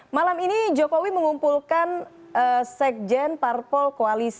malam ini jokowi mengumpulkan sekjen parpol koalisi